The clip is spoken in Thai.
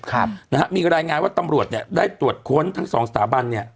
ครับนะฮะมีรายงานว่าตำรวจเนี้ยได้ตรวจค้นทั้งสองสถาบันเนี้ย